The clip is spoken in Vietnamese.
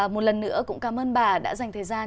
một lần nữa cũng cảm ơn bà đã dành thời gian